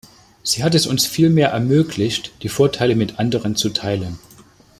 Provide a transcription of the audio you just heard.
Sie hat es uns vielmehr ermöglicht, die Vorteile mit anderen zu teilen.